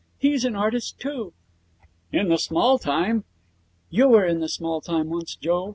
He's an artist, too.' 'In the small time.' 'You were in the small time once, Joe.